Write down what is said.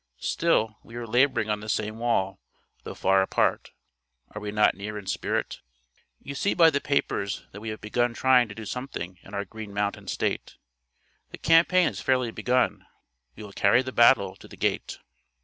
Still we are laboring on the same wall, though far apart. Are we not near in spirit? You see by the papers that we have been trying to do something in our Green Mountain State. The campaign has fairly begun. We will carry the battle to the gate.